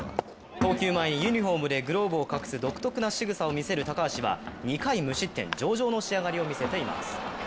投球前にユニフォームでグローブを隠す独特のしぐさを見せる高橋は２回無失点、上々の仕上がりを見せています。